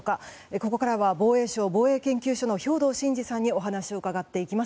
ここからは防衛省防衛研究所の兵頭慎治さんにお話を伺っていきます。